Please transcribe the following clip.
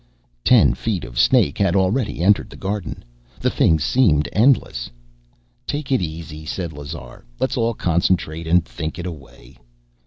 Ten feet of snake had already entered the garden. The thing seemed endless. "Take it easy," said Lazar. "Let's all concentrate and think it away."